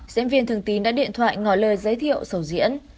diễn viên thường tín đã điện thoại ngỏ lời giới thiệu sầu diễn